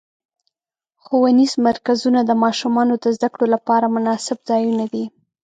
ښوونیز مرکزونه د ماشومانو د زدهکړو لپاره مناسب ځایونه دي.